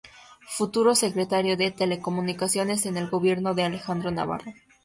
Futuro Secretario de Telecomunicaciones en el Gobierno de Alejandro Navarro.